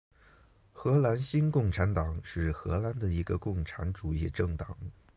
荷兰新共产党是荷兰的一个共产主义政党。